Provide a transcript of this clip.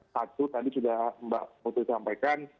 satu tadi sudah mbak putri sampaikan